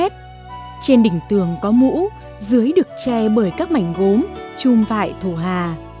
trên đỉnh tường có mũ dưới được che bởi các mảnh gốm chùm vại thổ hà